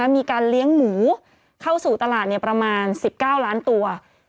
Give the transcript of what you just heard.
มีการเลี้ยงหมูเข้าสู่ตลาดประมาณ๑๙ล้านตัว